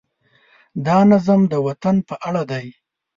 دا نظم د وطن په اړه دی.